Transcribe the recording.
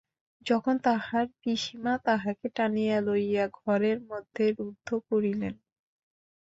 তখন তাহার পিসিমা তাহাকে টানিয়া লইয়া ঘরের মধ্যে রুদ্ধ করিলেন।